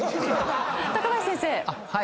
高林先生。